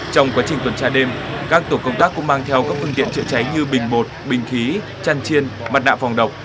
trong quá trình tuần tra đêm các tổ công tác cũng mang theo các phương tiện chữa cháy như bình một bình khí chăn chiên mặt nạ phòng độc